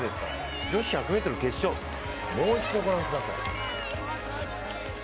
女子１００ｍ決勝、もう一度御覧ください。